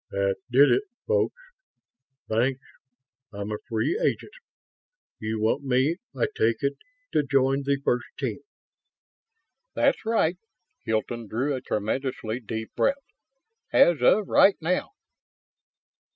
"That did it, folks. Thanks. I'm a free agent. You want me, I take it, to join the first team?" "That's right." Hilton drew a tremendously deep breath. "As of right now."